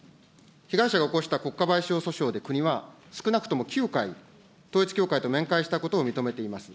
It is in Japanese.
被害者が起こした国家賠償訴訟で、国は少なくとも９回、統一教会と面会したことを認めています。